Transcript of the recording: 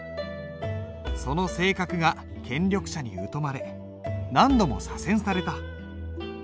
その性格が権力者に疎まれ何度も左遷された。